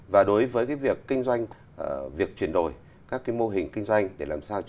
và đối với việc kinh doanh việc chuyển đổi các mô hình kinh doanh để làm sao cho